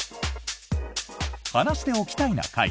「話しておきたいな会」。